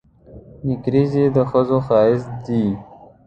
نکریزي د ښځو ښایست دي.